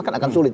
kan akan sulit